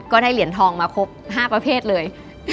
ก็ได้เหรียญทองมาครบ๕ประเภทเลย